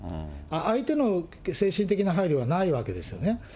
相手の精神的な配慮がないわけですよね。